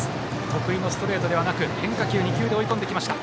得意のストレートではなく変化球２球で追い込みました。